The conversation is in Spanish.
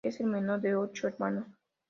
Es el menor de ocho hermanos.